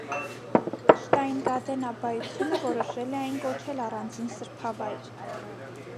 Շտայնգադեն աբբայությունը որոշել է այն կոչել առանձին սրբավայր։